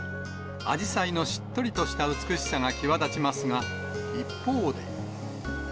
あじさいのしっとりとした美しさが際立ちますが、一方で。